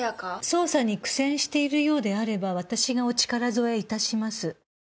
捜査に苦戦しているようであれば私がお力添えいたします。